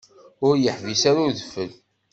Ur yeḥbis ara udfel.